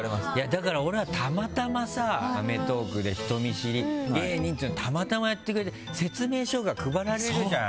だから俺はたまたま「アメトーーク！」で人見知り芸人っていうのをたまたまやってくれて説明書が配られるじゃん。